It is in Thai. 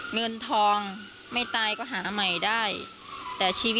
เงินทองไม่ตายก็หาใหม่ได้